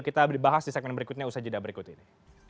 kita dibahas di segmen berikutnya usai jedah berikut ini